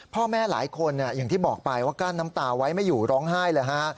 พ่อแม่หลายคนอย่างที่บอกไปว่ากั้นน้ำตาไว้ไม่อยู่ร้องไห้เลยฮะ